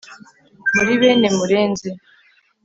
. Muri bene Murenzi